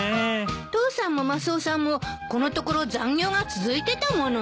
父さんもマスオさんもこのところ残業が続いてたものね。